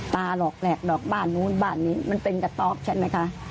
หลอกแหลกดอกบ้านนู้นบ้านนี้มันเป็นกระต๊อบใช่ไหมคะ